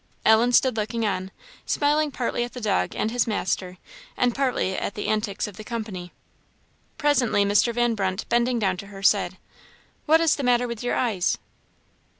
Ellen stood looking on, smiling partly at the dog and his master, and partly at the antics of the company. Presently Mr. Van Brunt, bending down to her, said "What is the matter with your eyes?"